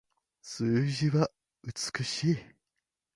数字は美しい